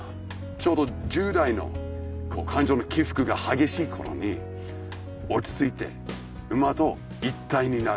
ちょうど１０代の感情の起伏が激しい頃に落ち着いて馬と一体になる。